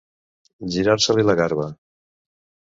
Girar-se-li la garba.